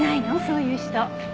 そういう人。